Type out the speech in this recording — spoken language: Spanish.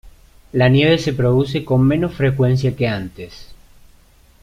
La nieve se produce con menos frecuencia que antes.